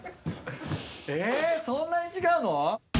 そんなに違うの？